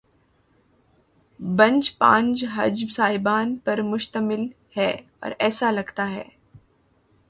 Bench پانچ جج صاحبان پر مشتمل ہے، اور ایسا لگتا ہے۔